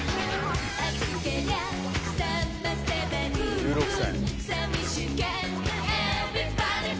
１６歳！